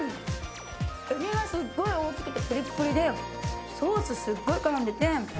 エビがすっごい大きくてプリプリでソースすっごい絡んでて。